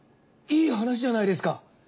いい話じゃないですか。